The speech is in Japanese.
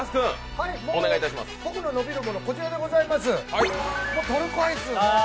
僕の伸びるもの、こちらでございます、トルコアイス。